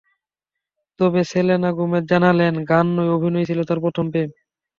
তবে Selena Gomez জানালেন, গান নয়, অভিনয়ই ছিল তাঁর প্রথম প্রেম।